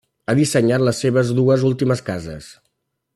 Ha dissenyat les seves dues últimes cases.